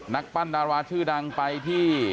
นักปั้นดาราชื่อดังไปที่